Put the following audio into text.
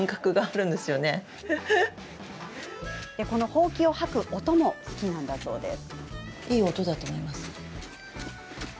ほうきを掃く音も好きなんだそうです。